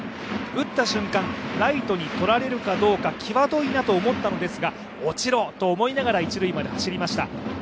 打った瞬間、ライトにとられるかどうか際どいなと思ったのですが落ちろ！と思いながら一塁まで走りました。